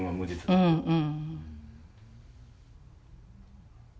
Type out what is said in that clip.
うんうん。